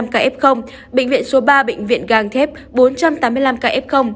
hai trăm ba mươi năm ca f bệnh viện số ba bệnh viện gàng thép bốn trăm tám mươi năm ca f